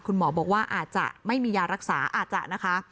คุณหมอบอกว่าอาจจะไม่มียารักษาอาจจะนะคะ